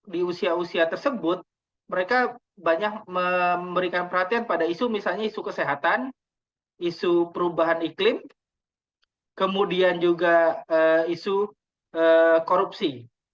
di usia usia tersebut mereka banyak memberikan perhatian pada isu misalnya isu kesehatan isu perubahan iklim kemudian juga isu korupsi